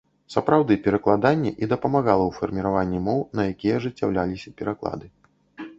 Сапраўды, перакладанне і дапамагала ў фарміраванні моў, на якія ажыццяўляліся пераклады.